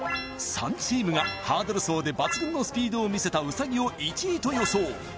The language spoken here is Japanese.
３チームがハードル走で抜群のスピードをみせたウサギを１位と予想